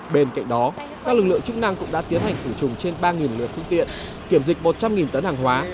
bên cạnh đó các lực lượng trung năng cũng đã tiến hành thủ trùng trên ba lửa phương tiện kiểm dịch một trăm linh tấn hàng hóa